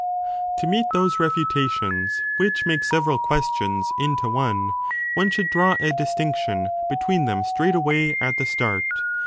To meet those refutations which make several questions 30 into one, one should draw a distinction between them straight away at the start.